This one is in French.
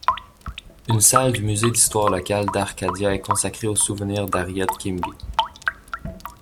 Une salle du musée d'histoire locale d'Arcadia est consacrée au souvenir d'Harriet Quimby.